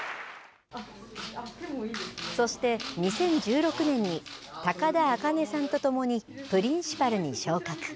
そして、２０１６年に高田茜さんとともに、プリンシパルに昇格。